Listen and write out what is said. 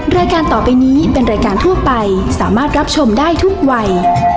รายการต่อไปนี้เป็นรายการทั่วไปสามารถรับชมได้ทุกวัย